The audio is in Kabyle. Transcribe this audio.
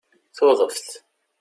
Tuḍeft